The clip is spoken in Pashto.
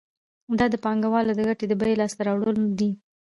دا د پانګوال د ګټې د بیې لاس ته راوړل دي